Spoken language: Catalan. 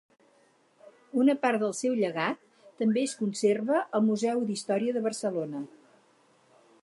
Una part del seu llegat també es conserva al Museu d'Història de Barcelona.